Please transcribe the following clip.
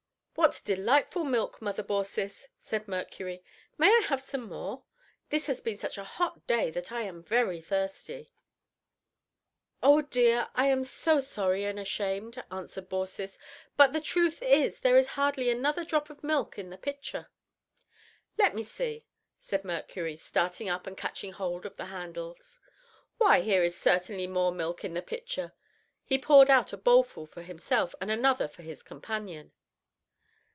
"What delightful milk, Mother Baucis," said Mercury, "may I have some more? This has been such a hot day that I am very thirsty." "Oh dear, I am so sorry and ashamed," answered Baucis, "but the truth is there is hardly another drop of milk in the pitcher." "Let me see," said Mercury, starting up and catching hold of the handles, "why here is certainly more milk in the pitcher." He poured out a bowlful for himself and another for his companion.